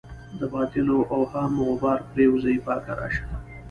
د باطلو اوهامو غبار پرېوځي پاکه راشه.